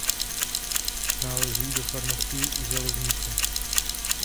Náleží do farnosti Železnice.